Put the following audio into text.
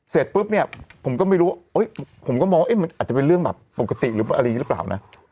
เสร็จปุ๊บเนี่ยผมก็ไม่รู้ว่าผมก็มองมันอาจจะเป็นเรื่องแบบปกติหรืออะไรอย่างนี้หรือเปล่านะ